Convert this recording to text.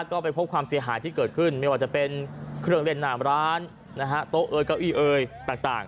ก็ไปพบความเสียหายที่เกิดขึ้นไม่ว่าจะเป็นเครื่องเล่นน้ำร้านนะฮะโต๊ะเอยเก้าอี้เอ่ยต่าง